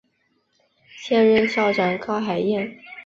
现任校长高海燕。